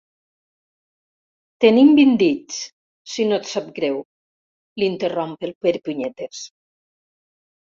Tenim vint dits, si no et sap greu —l'interromp el Perepunyetes.